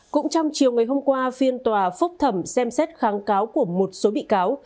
cũng trong chiều ngày hôm qua phiên tòa phúc thẩm xem xét kháng cáo của một số bị cáo